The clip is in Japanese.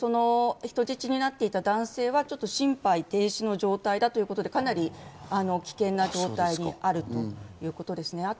人質になっていた男性は心肺停止の状態だということで、かなり危険な状態にあるということですね。